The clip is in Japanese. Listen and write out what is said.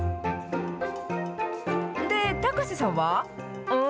で、高瀬さんは？おっ？